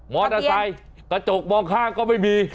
มอตก็ใส่กระจกมองข้างก็ไม่มี